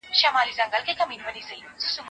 هیوادونه د بیړنیو حالاتو لپاره ګډ پلانونه جوړوي.